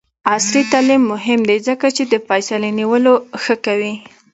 عصري تعلیم مهم دی ځکه چې د فیصلې نیولو ښه کوي.